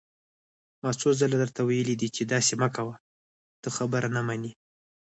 ما څو ځله درته ويلي دي چې داسې مه کوه، ته خبره نه منې!